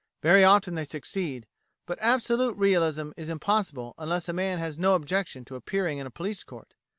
Very often they succeed, but absolute realism is impossible unless a man has no objection to appearing in a Police Court.